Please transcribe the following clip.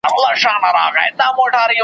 دلته دي د غرو لمني زموږ کېږدۍ دي پکښي پلني .